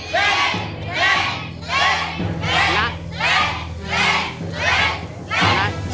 เล่น